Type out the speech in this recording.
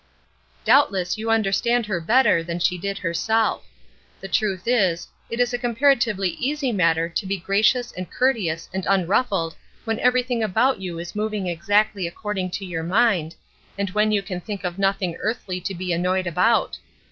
Doubtless you understand her better than she did herself. The truth is, it is a comparatively easy matter to be gracious and courteous and unruffled when everything about you is moving exactly according to your mind, and when you can think of nothing earthly to be annoyed about.